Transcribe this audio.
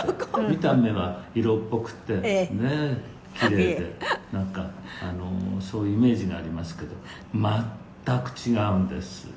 「見た目は色っぽくてねキレイでなんかそういうイメージがありますけど全く違うんです」